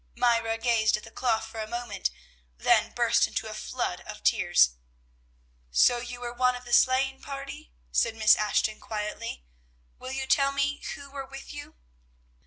Myra gazed at the cloth for a moment, then burst into a flood of tears. "So you were one of the sleighing party?" said Miss Ashton quietly. "Will you tell me who were with you?"